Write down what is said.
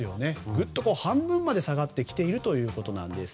ぐっと半分まで下がってきているということなんです。